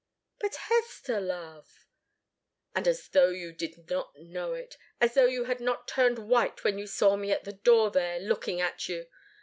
"But Hester, love " "And as though you did not know it as though you had not turned white when you saw me at the door there, looking at you!